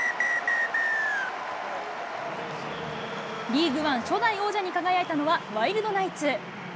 リーグワン初代王者に輝いたのはワイルドナイツ。